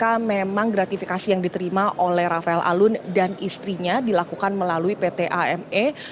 jika memang gratifikasi yang diterima oleh rafael alun dan istrinya dilakukan melalui pt ame